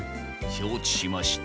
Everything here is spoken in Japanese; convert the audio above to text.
しょうちしました。